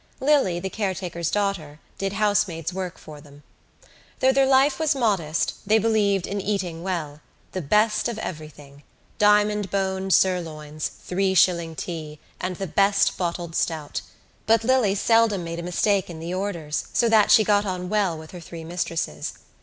Lily, the caretaker's daughter, did housemaid's work for them. Though their life was modest they believed in eating well; the best of everything: diamond bone sirloins, three shilling tea and the best bottled stout. But Lily seldom made a mistake in the orders so that she got on well with her three mistresses.